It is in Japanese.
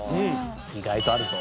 意外とあるぞ。